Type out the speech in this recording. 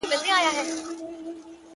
که وخت و ګل باچا الفت ته به هم